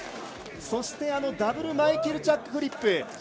そしてダブルマイケルチャックフリップ。